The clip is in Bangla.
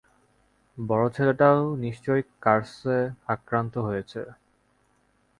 বড় ছেলেটাও নিশ্চয়ই কার্সে আক্রান্ত হয়েছে।